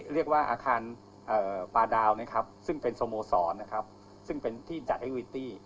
เรียกว่าอาคารปลาดาวซึ่งเป็นโสโมสอนซึ่งเป็นที่จัดอะไร